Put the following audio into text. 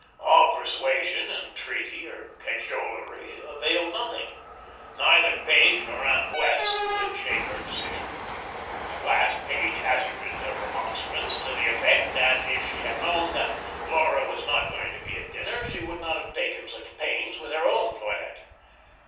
All persuasion, entreaty, or cajolery availed nothing. Neither Page nor Aunt Wess' could shake her decision. At last Page hazarded a remonstrance to the effect that if she had known that Laura was not going to be at dinner she would not have taken such pains with her own toilet.